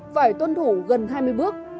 phải tuân thủ gần hai mươi bước